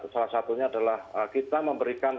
salah satunya adalah kita memberikan